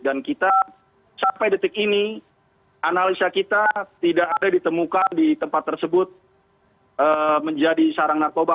dan kita sampai detik ini analisa kita tidak ada ditemukan di tempat tersebut menjadi sarang narkoba